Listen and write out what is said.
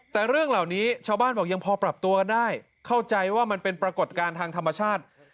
แต่เรื่องเหล่านี้ชาวบ้านบอกยังพอปรับตัวกันได้เข้าใจว่ามันเป็นปรากฏการณ์ทางธรรมชาติ